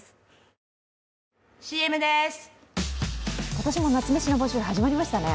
今年も夏メシの募集始まりましたね。